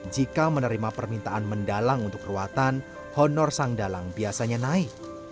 jika menerima permintaan mendalang untuk ruatan honor sang dalang biasanya naik